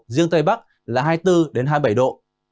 riêng tây bắc là hai mươi bốn hai mươi bảy độ